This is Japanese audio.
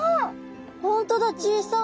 本当だ小さい。